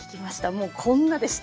もうこんなでした。